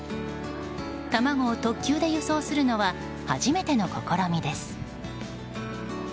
卵を特急で輸送するのは初めての試みです。